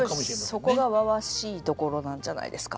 そこがわわしいところなんじゃないですか？